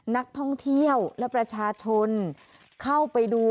นักท่องเที่ยวและประชาชนเข้าไปดู